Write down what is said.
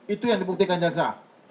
itu yang dibuktikan jaksa